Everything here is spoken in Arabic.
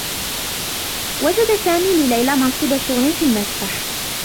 وجد سامي لليلى منصب شغل في المسبح.